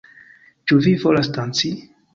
Ĉu vi volas danci?